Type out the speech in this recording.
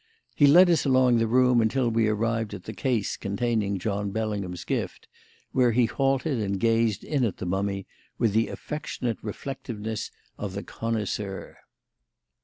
He led us along the room until we arrived at the case containing John Bellingham's gift, where he halted and gazed in at the mummy with the affectionate reflectiveness of the connoisseur.